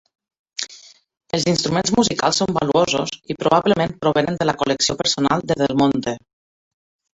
Els instruments musicals són valuosos i probablement provenen de la col·lecció personal de Del Monte.